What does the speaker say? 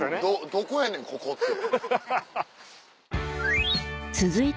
どこやねんここって。